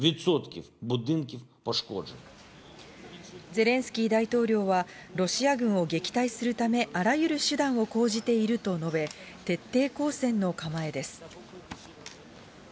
ゼレンスキー大統領は、ロシア軍を撃退するため、あらゆる手段を講じていると述べ、徹底抗戦の構えです。